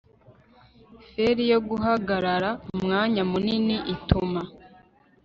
feri yo guhagarara umwanya munini ituma